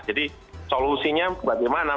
jadi solusinya bagaimana